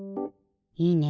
いいね！